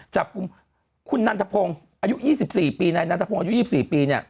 จากคุณนันทพงศ์อายุ๒๔ปีในนันทพงศ์อายุ๒๔ปี